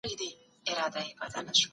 ملامحمدصديق اخند ملا شا پسند